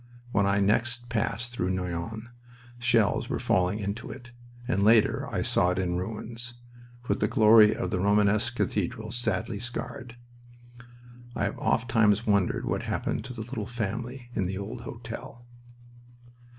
When I next passed through Noyon shells were falling into it, and later I saw it in ruins, with the glory of the Romanesque cathedral sadly scarred. I have ofttimes wondered what happened to the little family in the old hotel.